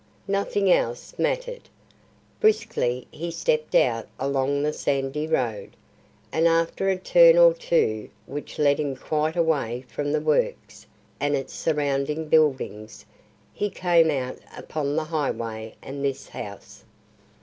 Nothing else mattered. Briskly he stepped out along the sandy road, and after a turn or two which led him quite away from the Works and its surrounding buildings, he came out upon the highway and this house.